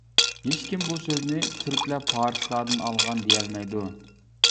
ھېچكىم بۇ سۆزنى تۈركلەر پارسلاردىن ئالغان دېيەلمەيدۇ.